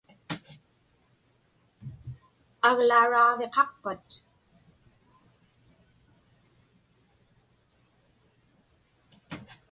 Aglauraaġviqaqpat?